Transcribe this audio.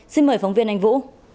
xin mời phóng viên anh vũ